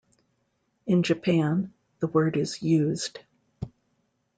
In Japan, the word is used.